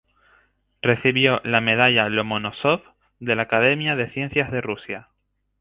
Recibió la Medalla Lomonósov de la Academia de Ciencias de Rusia.